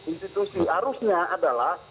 institusi harusnya adalah